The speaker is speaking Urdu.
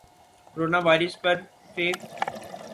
کرونا وائرس پر ف